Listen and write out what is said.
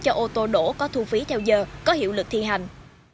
cho ô tô đỗ có thu phí theo giờ có hiệu lực thi hành